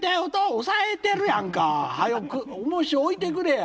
『押さえてるやんか早くおもし置いてくれや』。